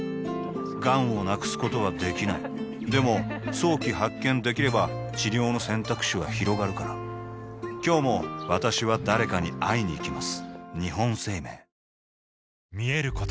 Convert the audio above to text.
がんを無くすことはできないでも早期発見できれば治療の選択肢はひろがるから今日も私は誰かに会いにいきます